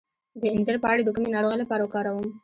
د انځر پاڼې د کومې ناروغۍ لپاره وکاروم؟